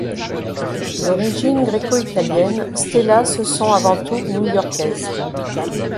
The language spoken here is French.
D’origine gréco-italienne, Stella se sent avant tout new-yorkaise.